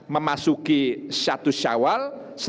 memasuki syatu syawal